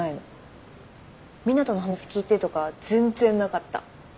湊斗の話聞いてとかは全然なかった。